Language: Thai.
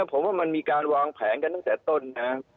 เออเพราะมันมีการวางแผงกันตั้งแต่ต้นนะ